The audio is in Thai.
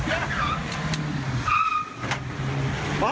สนไป